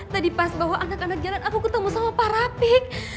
tadi pas bawa anak anak jalan aku ketemu sama pak rapik